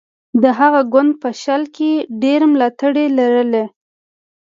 د هغه ګوند په شل کې ډېر ملاتړي لرل.